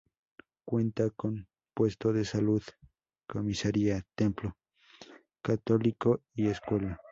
Cuenta con puesto de salud, comisaría, templo católico y escuela.